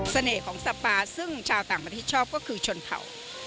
เสน่ห์ของซาปาซึ่งชาวต่างประทิชชอบก็คือชนเผ่า